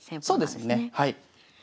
そうですねはい。